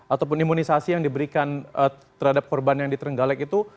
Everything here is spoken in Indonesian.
ataupun imunisasi yang diberikan terhadap korban yang diterenggalek itu